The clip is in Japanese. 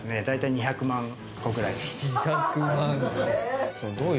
２００万個。